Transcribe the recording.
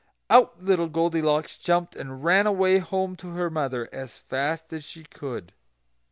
Out little Goldilocks jumped, and ran away home to her mother, as fast as ever she could.